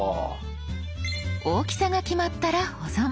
大きさが決まったら保存。